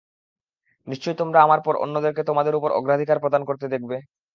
নিশ্চয় তোমরা আমার পর অন্যদেরকে তোমাদের উপর অগ্রাধিকার প্রদান করতে দেখবে।